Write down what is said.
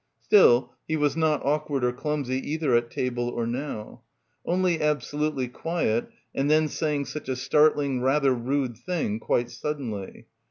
Still he was not awkward or clumsy either at table or now. Only absolutely quiet, and then saying such a startling rather rude thing quite suddenly.